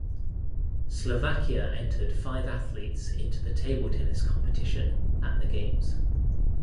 Slovakia entered five athletes into the table tennis competition at the games.